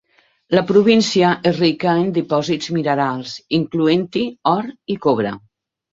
La província és rica en dipòsits minerals, incloent-hi or i cobre.